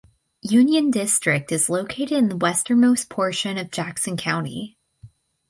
Union District is located in the westernmost portion of Jackson County.